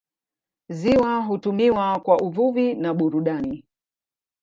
Ziwa hutumiwa kwa uvuvi na burudani.